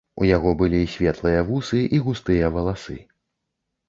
У яго былі светлыя вусы і густыя валасы.